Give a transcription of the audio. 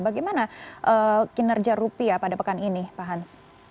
bagaimana kinerja rupiah pada pekan ini pak hans